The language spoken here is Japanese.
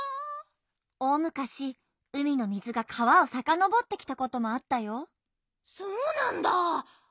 おおむかしうみのみずが川をさかのぼってきたこともあったよ。そうなんだ。